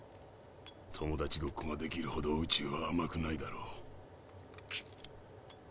友達ごっこができるほど宇宙はあまくないだろう。